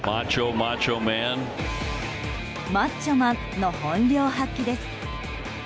マッチョマンの本領発揮です。